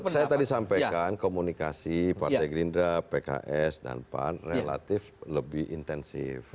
saya tadi sampaikan komunikasi partai gerindra pks dan pan relatif lebih intensif